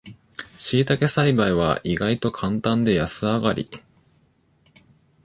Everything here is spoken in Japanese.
しいたけ栽培は意外とカンタンで安上がり